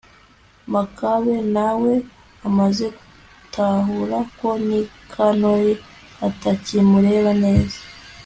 makabe na we, amaze gutahura ko nikanori atakimureba neza